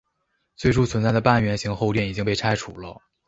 最初存在的半圆形后殿已经被拆除了。